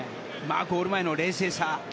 ゴール前の冷静さ